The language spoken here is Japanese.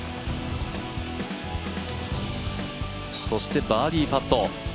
そして、バーディーパット。